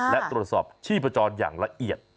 และตรวจสอบชีพจรอย่างละเอียด